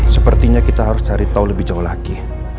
sepertinya kita harus cari tahu lebih jauh lagi